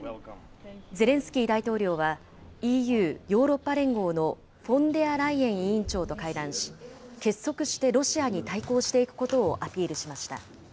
ゼレンスキー大統領は、ＥＵ・ヨーロッパ連合のフォンデアライエン委員長と会談し、結束してロシアに対抗していくことをアピールしました。